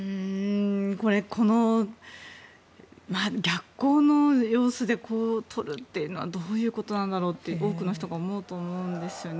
これ、逆光の様子で撮るっていうのはどういうことなんだろうって多くの人が思うと思うんですよね。